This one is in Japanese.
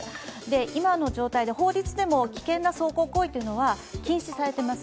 今の状態で、法律でも危険な走行行為は禁止されています。